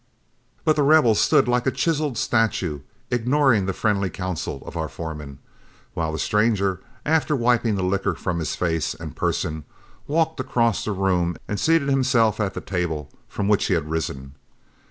But The Rebel stood like a chiseled statue, ignoring the friendly counsel of our foreman, while the stranger, after wiping the liquor from his face and person, walked across the room and seated himself at the table from which he had risen.